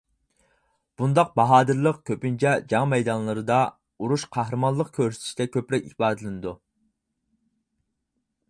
بۇنداق «باھادىرلىق» كۆپىنچە جەڭ مەيدانلىرىدا، ئۇرۇشتا قەھرىمانلىق كۆرسىتىشتە كۆپرەك ئىپادىلىنىدۇ.